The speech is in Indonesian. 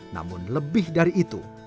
namun lebih dari itu